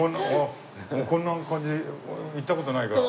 こんな感じで行った事ないから。